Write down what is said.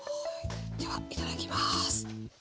ではいただきます。